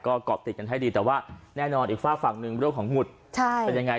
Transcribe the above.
ก็เกาะติดกันให้ดีแต่ว่าแน่นอนอีกฝากฝั่งหนึ่งเรื่องของหมุดเป็นยังไง